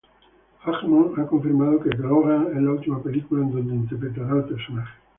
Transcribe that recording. Jackman ha confirmado que Logan es la última película en donde interpretará al personaje.